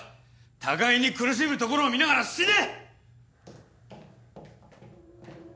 互いに苦しむところを見ながら死ね！